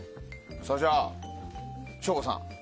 それじゃあ、省吾さん。